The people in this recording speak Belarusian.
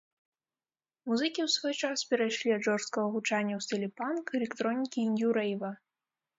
Музыкі ў свой час перайшлі ад жорсткага гучання ў стылі панк, электронікі і нью-рэйва.